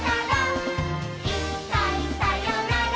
「いっかいさよなら